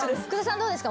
どうですか？